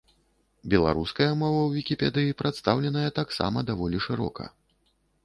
Беларуская мова ў вікіпедыі прадстаўленая таксама даволі шырока.